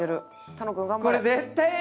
楽君頑張れ！」